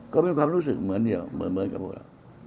ก็มีความรู้สึกเหมือนเดียวเหมือนกับพวกเรา